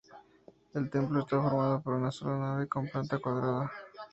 El templo está formado por una sola nave con planta cuadrada.